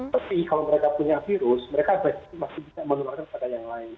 tapi kalau mereka punya virus mereka infeksi masih bisa menularkan kepada yang lain